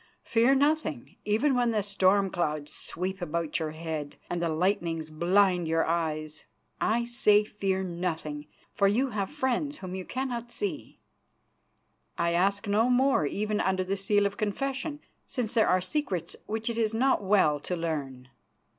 Fear nothing, even when the storm clouds sweep about your head and the lightnings blind your eyes. I say, fear nothing, for you have friends whom you cannot see. I ask no more even under the seal of confession, since there are secrets which it is not well to learn.